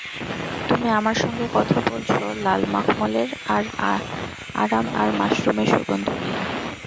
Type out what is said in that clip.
তুমি, আমার সঙ্গে কথা বলছ লাল মখমলের আরাম এবং মাশরুমের সুগন্ধ নিয়ে।